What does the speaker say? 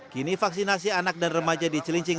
kini vaksinasi anak dan remaja di cilincing